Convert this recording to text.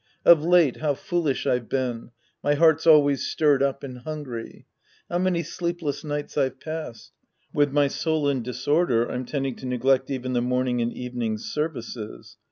Of late, how foolish I've been ; my heart's always stirred up and hungiy. How many sleepless nights I've passed ! With my soul in disorder, I'm tending to neglect even the morning and evening services.